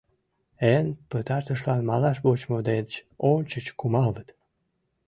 Эн пытартышлан малаш вочмо деч ончыч кумалыт».